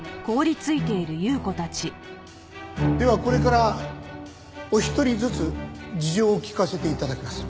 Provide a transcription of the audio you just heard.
ではこれからお一人ずつ事情を聴かせて頂きます。